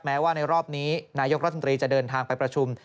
แม้ว่าในรอบนี้นายกรัฐมนตรีจะเดินทางไปประชุม